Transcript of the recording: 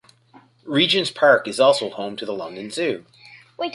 Regent's Park is also home to the London Zoo.